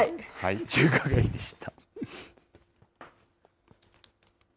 中華街でした。